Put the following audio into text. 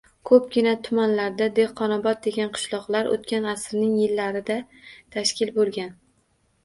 Ko‘pgina tumanlarda Dehqonobod degan qishloqlar o‘tgan asrning - yillarida tashkil bo‘lgan.